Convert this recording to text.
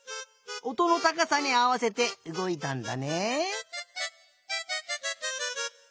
おとのたかさにあわせてうごいたんだね。